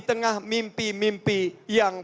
tengah mimpi mimpi yang